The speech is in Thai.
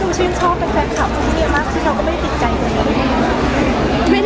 ของเบลค์คือเขาไม่ติดใจเหมือนกันแหละ